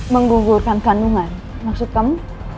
menggugurkan kandungan maksud kamu